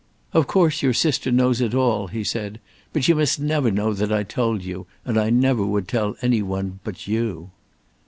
"Of course your sister knows it all," he said; "but she must never know that I told you, and I never would tell any one but you."